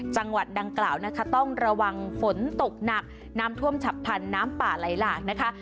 จังหวัดดังกล่าวนะคะต้องระวังฝนตกหนักน้ำท่วมฉับพันธุ์น้ำป่าไหลหลากนะคะ